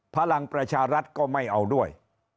พลังประชารัฐก็ไม่เอาด้วย